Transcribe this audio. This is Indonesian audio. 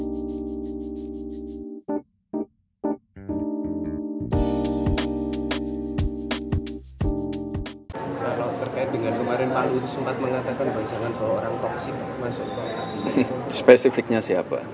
bisa secara umum gitu mas